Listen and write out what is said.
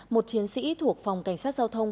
một chiến sĩ thuộc phòng cảnh sát giao thông